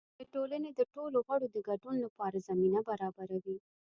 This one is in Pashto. د ټولنې د ټولو غړو د ګډون لپاره زمینه برابروي.